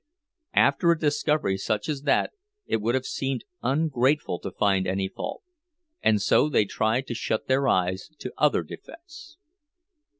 After a discovery such as that it would have seemed ungrateful to find any fault, and so they tried to shut their eyes to other defects.